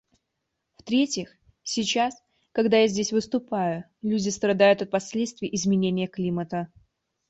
В-третьих, сейчас, когда я здесь выступаю, люди страдают от последствий изменения климата.